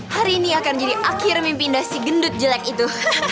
hari ini akan jadi akhir mimpi nasi gendut jelek itu